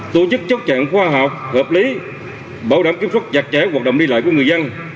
tổ chức chất trạng khoa học hợp lý bảo đảm kiểm soát giặc trẻ hoạt động đi lại của người dân